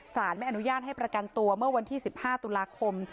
สารไม่อนุญาตให้ประกันตัวเมื่อวันที่๑๕ตุลาคม